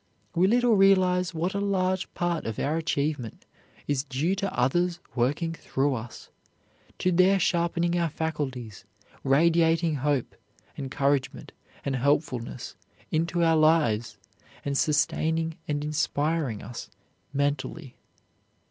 We little realize what a large part of our achievement is due to others working through us, to their sharpening our faculties, radiating hope, encouragement, and helpfulness into our lives, and sustaining and inspiring us mentally.